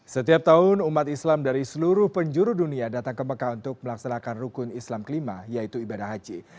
setiap tahun umat islam dari seluruh penjuru dunia datang ke mekah untuk melaksanakan rukun islam kelima yaitu ibadah haji